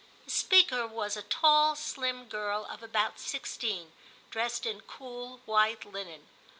* The speaker was a tall slim girl of about sixteen, dressed in cool white linen.